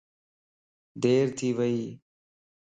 دير ٿي وئي يَ